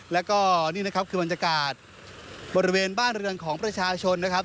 แล้วก็นี่นะครับคือบรรยากาศบริเวณบ้านเรือนของประชาชนนะครับ